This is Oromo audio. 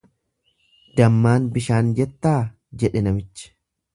Dammaan bishaan jettaa jedhe namichi.